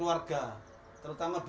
dan menggunakan perusahaan yang berbeda